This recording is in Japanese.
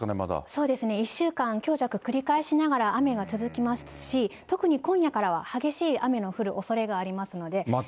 そうですね、１週間、強弱繰り返しながら雨が続きますし、特に今夜からは激しい雨が降るおそれがありますので。